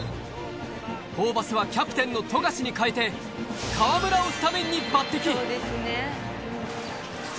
ホーバスはキャプテンの富樫に代えて、河村をスタメンに抜てき。